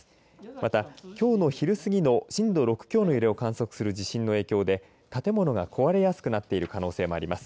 またきょうの昼過ぎの震度６強の揺れを観測する地震の影響で建物が壊れやすくなっている可能性もあります。